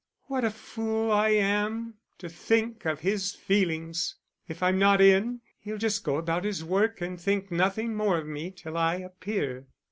"What a fool I am to think of his feelings! If I'm not in, he'll just go about his work and think nothing more of me till I appear."